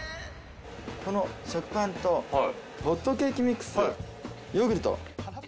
この食パンとホットケーキミックス、ヨーグルト。